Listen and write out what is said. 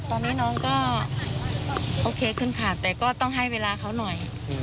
ตอนนี้น้องก็โอเคขึ้นค่ะแต่ก็ต้องให้เวลาเขาหน่อย